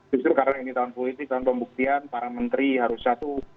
justru karena ini tahun politik tahun pembuktian para menteri harus jatuh